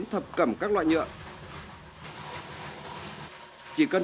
nó cũng toàn tiền